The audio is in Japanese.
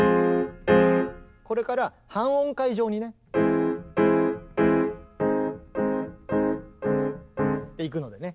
これから半音階状にね。っていくのでね。